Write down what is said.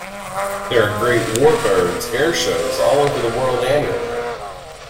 There are great warbirds air-shows all over the world annually.